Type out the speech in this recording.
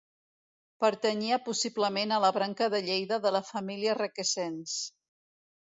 Pertanyia possiblement a la branca de Lleida de la família Requesens.